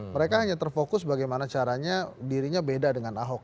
mereka hanya terfokus bagaimana caranya dirinya beda dengan ahok